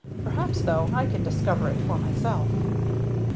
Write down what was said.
Perhaps, though, I can discover it for myself."